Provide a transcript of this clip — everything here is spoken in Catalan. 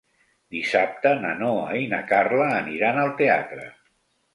Dissabte na Noa i na Carla aniran al teatre.